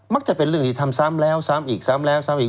จะเป็นเรื่องที่ทำซ้ำแล้วซ้ำอีกซ้ำแล้วซ้ำอีก